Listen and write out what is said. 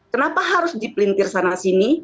kenapa harus dipelintir sana sini